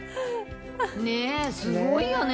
ねぇ、すごいよね。